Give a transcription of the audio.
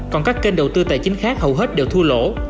còn các kênh đầu tư tài chính khác hầu hết đều thua lỗ